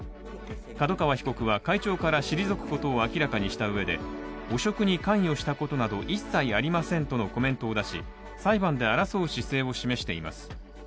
角川被告は会長から退くことを明らかにしたうえで汚職に関与したことなど一切ありませんとのコメントを出し裁判で争う姿勢を示しています。